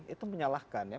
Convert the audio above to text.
itu menyalahkan ya